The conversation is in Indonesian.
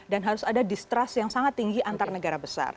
dan harus ada distrust yang sangat tinggi antar negara besar